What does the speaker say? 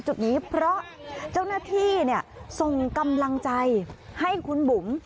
จุดนี้เพราะเจ้าหน้าที่ส่งกำลังใจให้คุณบุ๋ม